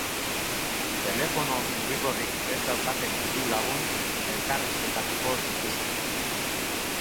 Telefono mugikorrik ez daukaten hiru lagun elkarrizketatuko dituzte.